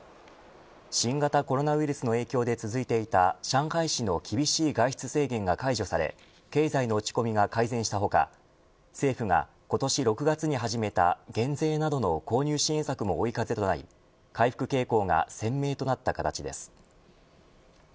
新型コロナウイルスの影響で続いていた上海市の厳しい外出制限が解除され経済の落ち込みが改善した他、政府が今年６月に始めた減税などの購入支援策も追い風となり回復傾向が鮮明となった形です。